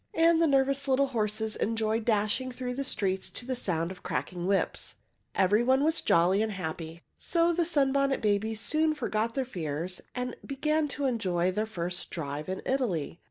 And the nervous little horses enjoy dashing through the streets to the sound of cracking whips. Everybody was jolly and happy, so the Sunbonnet Babies soon forgot their fears and began to enjoy their first drive in Italy.